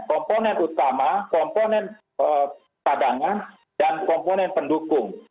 komponen utama komponen cadangan dan komponen pendukung